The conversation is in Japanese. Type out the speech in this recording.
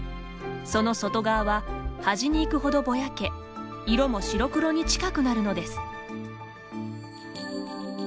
その外側は端に行くほどぼやけ色も白黒に近くなるのです。